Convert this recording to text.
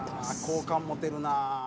「好感持てるな」